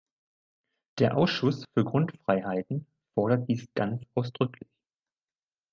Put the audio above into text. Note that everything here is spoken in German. Der Ausschuss für Grundfreiheiten fordert dies ganz ausdrücklich.